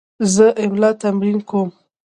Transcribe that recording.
زه املا تمرین کوم.